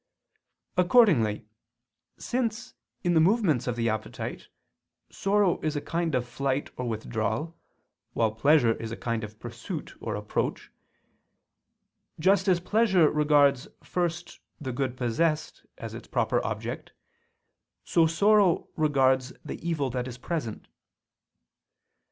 Accordingly, since, in the movements of the appetite, sorrow is a kind of flight or withdrawal, while pleasure is a kind of pursuit or approach; just as pleasure regards first the good possessed, as its proper object, so sorrow regards the evil that is present.